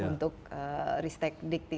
untuk riset dikti